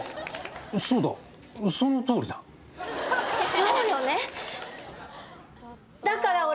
そうよね！